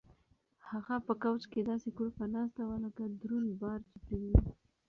هغه په کوچ کې داسې کړوپه ناسته وه لکه دروند بار چې پرې وي.